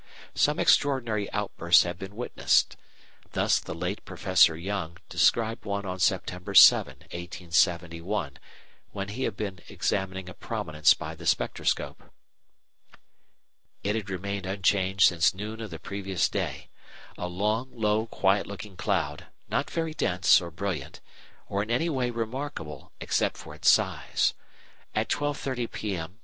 Some extraordinary outbursts have been witnessed. Thus the late Professor Young described one on September 7, 1871, when he had been examining a prominence by the spectroscope: It had remained unchanged since noon of the previous day a long, low, quiet looking cloud, not very dense, or brilliant, or in any way remarkable except for its size. At 12:30 p.m.